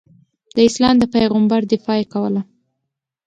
د اسلام د پیغمبر دفاع یې کوله.